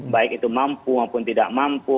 baik itu mampu maupun tidak mampu